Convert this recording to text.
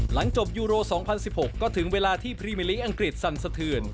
หลังจบยูโร๒๐๑๖ก็ถึงเวลาที่พรีเมอร์ลีกอังกฤษสั่นสะเทือน